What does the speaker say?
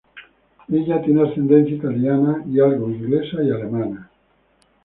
Ella tiene ascendencia italiana, y algo inglesa y alemana.